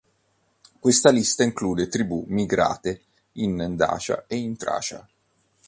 Questa lista include tribù migrate in Dacia e Tracia.